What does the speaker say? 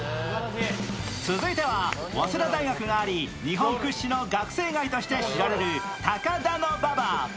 続いては早稲田大学があり日本屈指の学生街として知られる高田馬場。